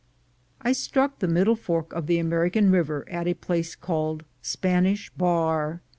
I struck the middle fork of the American River at a place called Spanish Bar.